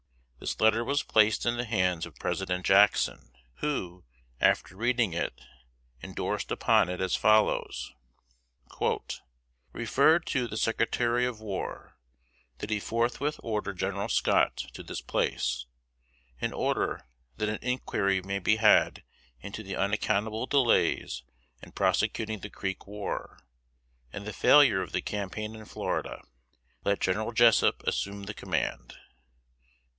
This letter was placed in the hands of President Jackson, who, after reading it, indorsed upon it as follows: "Referred to the Secretary of War, that he forthwith order General Scott to this place, in order that an inquiry may be had into the unaccountable delays in prosecuting the Creek war, and the failure of the campaign in Florida. Let General Jessup assume the command.